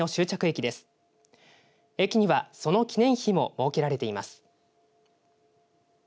駅にはその記念碑も設けられています。